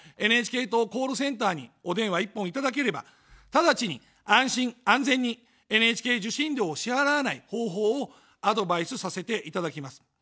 ＮＨＫ党コールセンターにお電話一本いただければ、直ちに安心・安全にＮＨＫ受信料を支払わない方法をアドバイスさせていただきます。